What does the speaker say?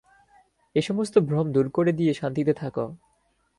এই সমস্ত ভ্রম দূর করে দিয়ে শান্তিতে থাক।